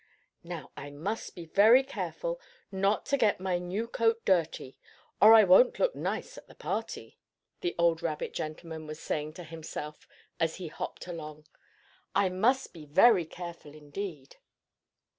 "Now, I must be very careful not to get my new coat dirty, or I won't look nice at the party," the old rabbit gentleman was saying to himself as he hopped along. "I must be very careful indeed."